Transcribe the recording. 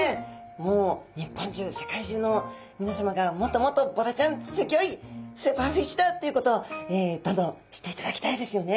もう日本中世界中のみなさまがもっともっとボラちゃんすギョいスーパーフィッシュだっていうことをどんどん知っていただきたいですよね。